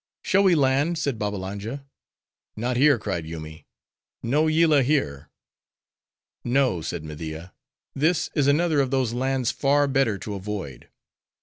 "Shall we land?" said Babbalanja. "Not here," cried Yoomy; "no Yillah here." "No," said Media. "This is another of those lands far better to avoid."